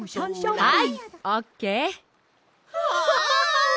はい！